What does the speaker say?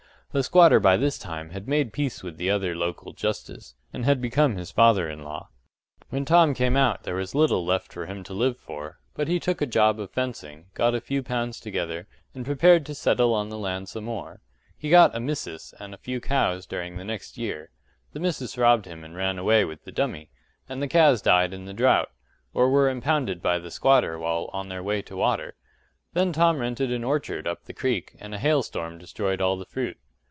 The squatter by this time had made peace with the other local Justice, and had become his father in law. When Tom came out there was little left for him to live for; but he took a job of fencing, got a few pounds together, and prepared to settle on the land some more. He got a “missus” and a few cows during the next year; the missus robbed him and ran away with the dummy, and the cows died in the drought, or were impounded by the squatter while on their way to water. Then Tom rented an orchard up the creek, and a hailstorm destroyed all the fruit.